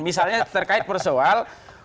misalnya terkait persoal